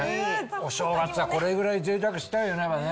お正月はこれぐらいぜいたくしたいよね。